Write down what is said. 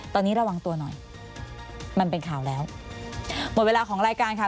ตอนนี้ระวังตัวหน่อยมันเป็นข่าวแล้วหมดเวลาของรายการค่ะ